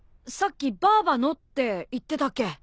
さっき「バーバの」って言ってたっけ？